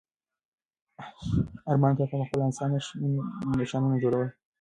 ارمان کاکا په خپله امسا نښانونه جوړول او په سوچ کې و.